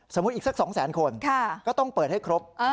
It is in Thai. อีกสัก๒แสนคนก็ต้องเปิดให้ครบ